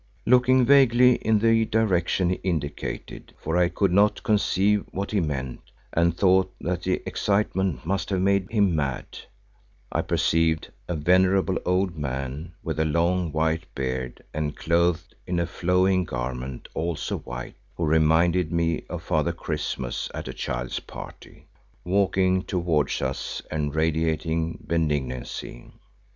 Looking vaguely in the direction indicated, for I could not conceive what he meant and thought that the excitement must have made him mad, I perceived a venerable old man with a long white beard and clothed in a flowing garment, also white, who reminded me of Father Christmas at a child's party, walking towards us and radiating benignancy.